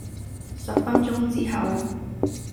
十分鐘之後